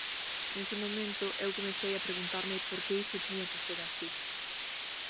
Nese momento, eu comecei a preguntarme por que iso tiña que ser así.